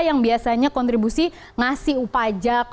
yang biasanya kontribusi ngasih upajak